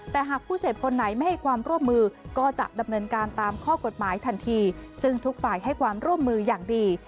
แต่หากผู้เสพคนไหนไม่ให้ความร่วมมือก็จะดำเนินการตามข้อกฎหมายทันทีซึ่งทุกฝ่ายให้ความร่วมมืออย่างดี